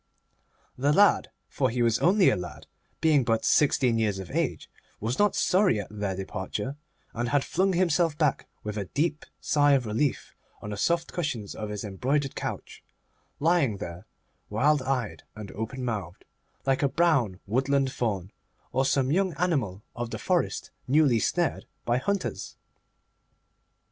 The lad—for he was only a lad, being but sixteen years of age—was not sorry at their departure, and had flung himself back with a deep sigh of relief on the soft cushions of his embroidered couch, lying there, wild eyed and open mouthed, like a brown woodland Faun, or some young animal of the forest newly snared by the hunters.